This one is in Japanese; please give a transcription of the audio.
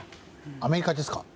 アメリカですか？